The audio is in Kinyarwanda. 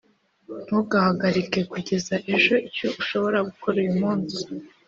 ntugahagarike kugeza ejo icyo ushobora gukora uyu munsi